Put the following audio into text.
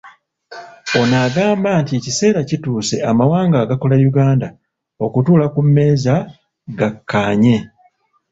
Ono agamba nti ekiseera kituuse amawanga agakola Uganda okutuula ku mmeeza gakkaanye.